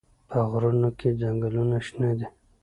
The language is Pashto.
په غرونو کې ځنګلونه شنه دي.